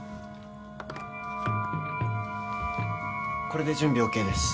これで準備ＯＫです。